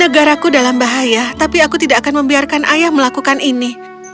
negaraku dalam bahaya tapi aku tidak akan membiarkan ayah melakukan ini